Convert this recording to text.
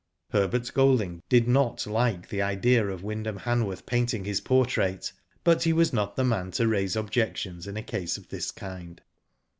Herbert Golding did not like the idea of Wynd ham Hanworth painting his portrait, but he .was not the man to raise objections in a case of this kind.